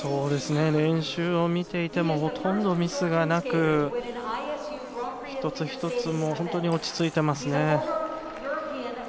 練習を見ていてもほとんどミスがなく、一つ一つも落ち着いていますね。